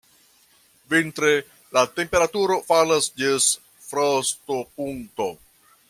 Vintre la temperaturo falas ĝis frostopunkto.